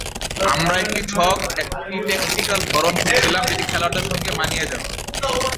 আমরা একটি ছক, একটা ট্যাকটিক্যাল ধরন খুঁজছিলাম, যেটি খেলোয়াড়দের সঙ্গে মানিয়ে যাবে।